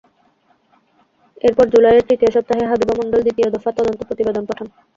এরপর জুলাইয়ের তৃতীয় সপ্তাহে হাবিবা মণ্ডল দ্বিতীয় দফা তদন্ত প্রতিবেদন পাঠান।